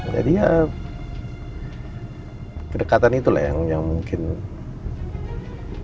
jadi ya kedekatan itu lah yang mungkin makin dekat